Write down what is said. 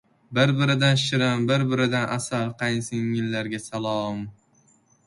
Biri biridan shirin, biri-biridan asal qaynsingillariga salo-o-om!